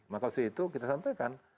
maka itu kita sampaikan